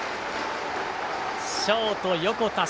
ショート、横田星